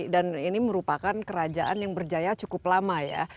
dan ini merupakan kerajaan yang berjaya cukup lama